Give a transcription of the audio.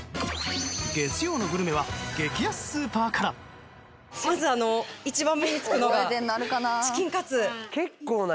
月曜のグルメは激安スーパーからまず一番目に付くのがチキンカツ。